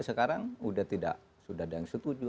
sekarang sudah tidak sudah ada yang setuju